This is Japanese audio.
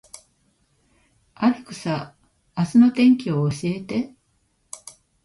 アレクサ、明日の天気を教えて